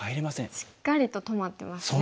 しっかりと止まってますね。